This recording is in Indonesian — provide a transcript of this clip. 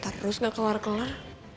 terus ga keluar keluar